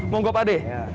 mau go pak d